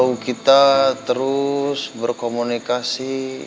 kalau kita terus berkomunikasi